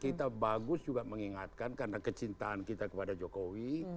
kita bagus juga mengingatkan karena kecintaan kita kepada jokowi